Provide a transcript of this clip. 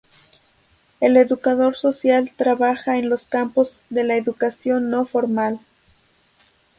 El educador social trabaja en los campos de la educación no formal.